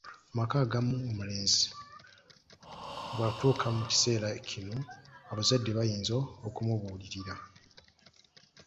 Mu maka agamu omulenzi bwatuuka mu kiseera kino abazadde bayinza okumubuulirira.